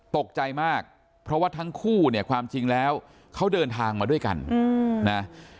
ตกใจมากเพราะว่าทั้งคู่เนี่ยความจริงแล้วเขาเดินทางมาด้วยกันนะ